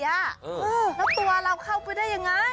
แล้วตัวเราเข้าไปได้ยังไง